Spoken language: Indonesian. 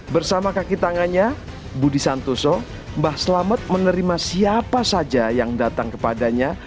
bersama kaki tangannya budi santoso mbah selamet menerima siapa saja yang datang kepadanya